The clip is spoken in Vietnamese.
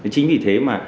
chính vì thế mà